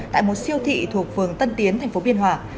tại một siêu thị thuộc phường tân tiến tp biên hòa